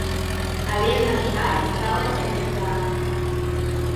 Але, на жаль, сталася не так.